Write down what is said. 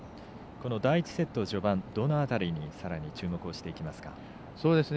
第１セット序盤どの辺りにさらに注目していきますか。